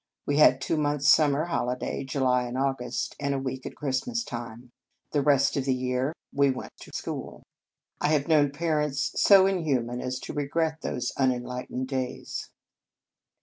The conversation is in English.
We had two months sum mer holiday, July and August, and a week at Christmas time. The rest of the year we spent at school. 107 In Our Convent Days I have known parents so inhuman as to regret those unenlightened days.